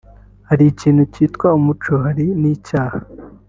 Hari ikintu kitwa umuco hari n’icyaha